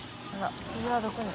次はどこに？